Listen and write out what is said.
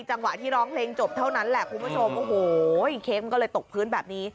จังหวะที่ร้องเพลงจบเท่านั้นแหละคุณผู้ชมโอ้โหเค้กมันก็เลยตกพื้นแบบนี้